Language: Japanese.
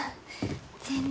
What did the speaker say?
全然。